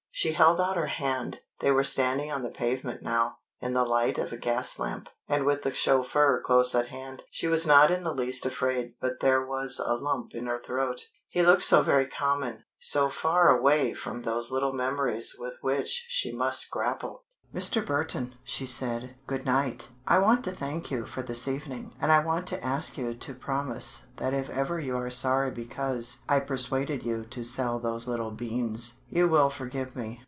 She held out her hand. They were standing on the pavement now, in the light of a gas lamp, and with the chauffeur close at hand. She was not in the least afraid but there was a lump in her throat. He looked so very common, so far away from those little memories with which she must grapple! "Mr. Burton," she said, "good night! I want to thank you for this evening and I want to ask you to promise that if ever you are sorry because I persuaded you to sell those little beans, you will forgive me.